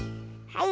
はい。